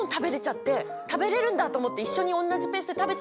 食べれるんだと思って。